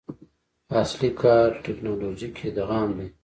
اصلي کار ټکنالوژیک ادغام دی.